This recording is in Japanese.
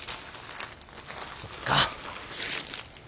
そっか。